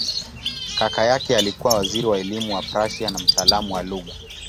Kaka yake alikuwa waziri wa elimu wa Prussia na mtaalamu wa lugha.